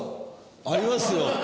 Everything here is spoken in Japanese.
ありますよ！